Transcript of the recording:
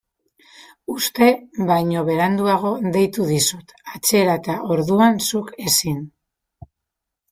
Uste baino beranduago deitu dizut atzera eta orduan zuk ezin.